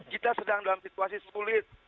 kita sedang dalam situasi sulit